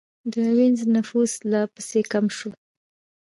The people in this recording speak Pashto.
د وینز نفوس لا پسې کم شو.